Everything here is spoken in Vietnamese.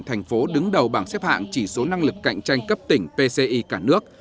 thành phố đứng đầu bảng xếp hạng chỉ số năng lực cạnh tranh cấp tỉnh pci cả nước